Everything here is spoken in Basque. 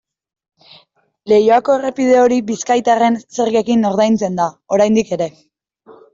Leioako errepide hori bizkaitarren zergekin ordaintzen da, oraindik ere.